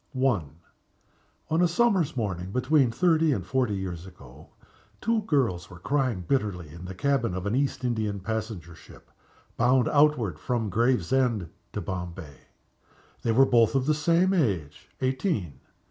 I. ON a summer's morning, between thirty and forty years ago, two girls were crying bitterly in the cabin of an East Indian passenger ship, bound outward, from Gravesend to Bombay. They were both of the same age eighteen.